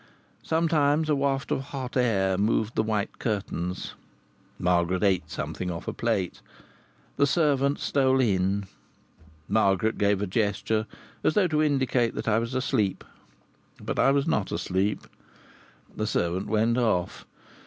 Sometimes a waft of hot air moved the white curtains. Margaret ate something off a plate. The servant stole in. Margaret gave a gesture as though to indicate that I was asleep. But I was not asleep. The servant went off.